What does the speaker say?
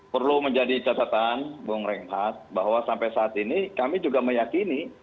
perlu menjadi catatan bung renghat bahwa sampai saat ini kami juga meyakini